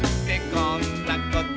「こんなこと」